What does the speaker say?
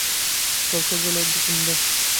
Sir, ফয়জলের phone দেন।